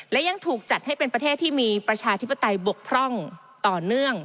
และยังถูกจัดให้เป็นประเทศที่มีประชาธิปไตยบกพร่องต่อเนื่อง